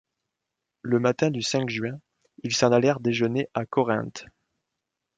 Le matin du cinq juin, ils s’en allèrent déjeuner à Corinthe.